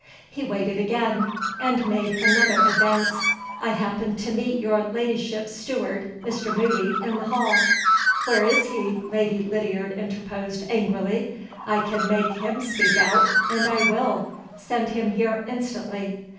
He waited again, and made another advance. "I happened to meet your Ladyship's steward, Mr. Moody, in the hall " "Where is he?" Lady Lydiard interposed angrily. "I can make him speak out, and I will. Send him here instantly."